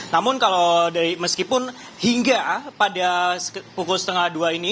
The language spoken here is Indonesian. namun kalau dari meskipun hingga pada pukul setengah dua ini